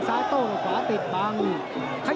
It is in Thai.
ตามต่อยกที่สองครับ